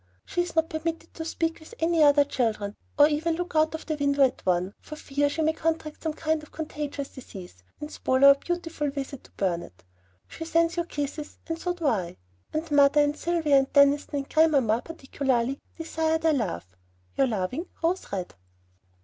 She is not permitted to speak with any other children, or even to look out of window at one, for fear she may contract some sort of contagious disease, and spoil our beautiful visit to Burnet. She sends you a kiss, and so do I; and mother and Sylvia and Deniston and grandmamma, particularly, desire their love. Your loving ROSE RED.